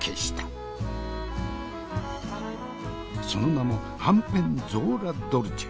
その名もはんぺんゾーラドルチェ。